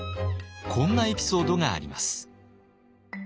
こんなエピソードがあります。